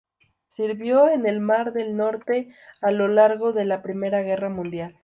Sirvió en el Mar del Norte a lo largo de la Primera Guerra Mundial.